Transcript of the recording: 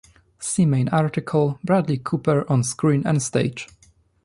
See main article: "Bradley Cooper on screen and stage"